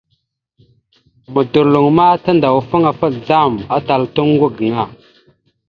Modorloŋ ma tandawafaŋ afa azlam atal ata oŋgo gaŋa.